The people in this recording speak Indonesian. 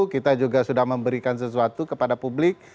kita juga sudah memberikan sesuatu kepada publik